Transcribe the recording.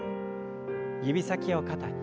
指先を肩に。